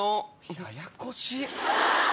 ややこしい！